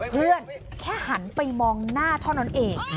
เพื่อนแค่หันไปมองหน้าท่อนอนเอก